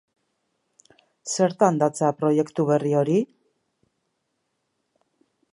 Zertan datza proiektu berri hori?